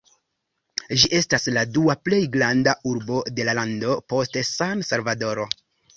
Ĝi estas la dua plej granda urbo de la lando post San-Salvadoro.